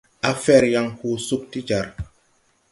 Á fɛr yaŋ hor sug ti jar.